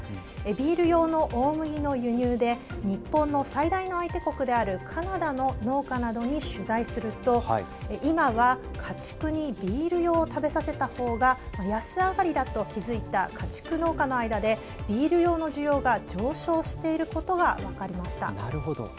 ビール用の大麦の輸入で日本の最大の相手国であるカナダの農家などに取材すると今は、家畜にビール用を食べさせた方が安上がりだと気付いた家畜農家の間でビール用の需要が上昇していることがなるほど。